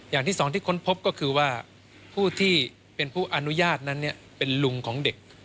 อย่างที่สองที่ค้นพบก็คือว่าผู้ที่เป็นผู้อนุญาตนั้นเป็นลุงของเด็ก